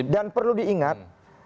dan perlu diingat